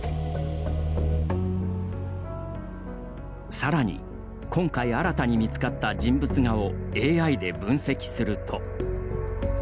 さらに、今回新たに見つかった人物画をＡＩで分析すると。